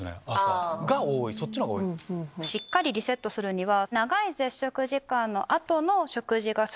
しっかりリセットするには。